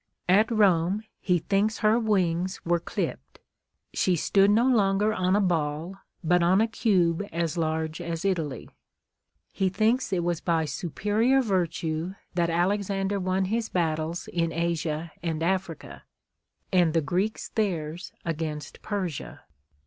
At Rome he thinks her wings were clipped : she stood no longer on a ball, but on a cube as large as Italy. He thinks it was by superior virtue that Alexander won his battles in Asia and Africa, and the Greeks theirs against Persia.